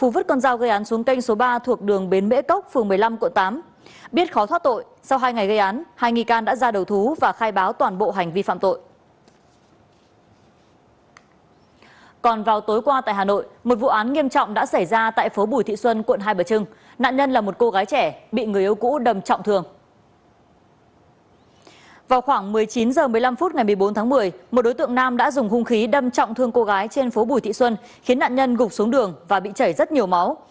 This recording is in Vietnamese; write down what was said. vào khoảng một mươi chín h một mươi năm phút ngày một mươi bốn tháng một mươi một đối tượng nam đã dùng hung khí đâm trọng thương cô gái trên phố bùi thị xuân khiến nạn nhân gục xuống đường và bị chảy rất nhiều máu